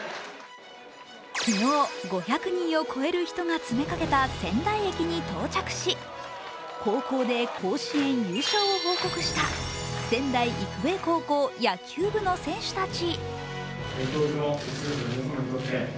昨日、５００人を超える人が詰めかけた仙台駅に到着し、高校で甲子園優勝を報告した仙台育英高校野球部の選手たち。